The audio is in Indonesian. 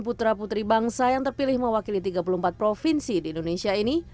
putra putri bangsa yang terpilih mewakili tiga puluh empat provinsi di indonesia ini